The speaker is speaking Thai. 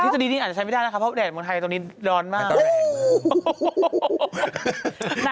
ที่จะดีอาจจะใช้ไม่ได้นะคะเพราะแดดมองไทยตรงนี้ดร้อนมาก